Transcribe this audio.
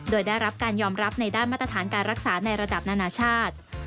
โดยได้รับการยอมรับในด้านมาตรฐานการรักษาในระดับนานาชาติ